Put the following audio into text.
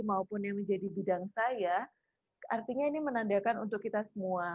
maupun yang menjadi bidang saya artinya ini menandakan untuk kita semua